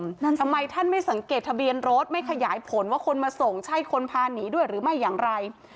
นั่นทำไมท่านไม่สังเกตทะเบียนรถไม่ขยายผลว่าคนมาส่งใช่คนพาหนีด้วยหรือไม่อย่างไร